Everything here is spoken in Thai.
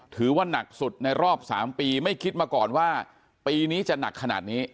ถือว่านักสุดในรอบ๓ปีไม่คิดมาก่อนว่าปีนี้จะหนักขนาดนี้